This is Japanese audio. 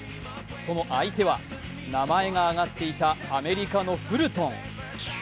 その相手は名前が挙がっていたアメリカのフルトン。